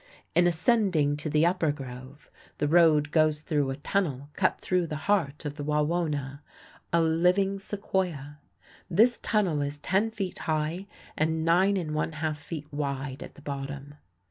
In ascending to the Upper Grove the road goes through a tunnel cut through the heart of the "Wawona," a living Sequoia. This tunnel is ten feet high and nine and one half feet wide at the bottom.